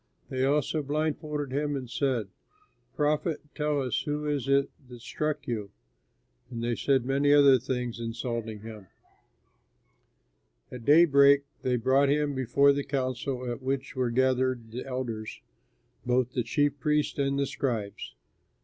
They also blindfolded him and said, "Prophet, tell us who is it that struck you?" And they said many other things, insulting him. At daybreak they brought him before the council at which were gathered the elders, both the chief priests and the scribes.